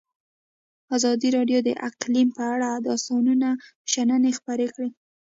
ازادي راډیو د اقلیم په اړه د استادانو شننې خپرې کړي.